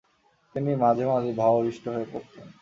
তিনি মাঝে মাঝেই ভাবাবিষ্ট হয়ে পড়তেন।